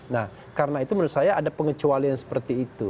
nah karena itu menurut saya ada pengecualian seperti itu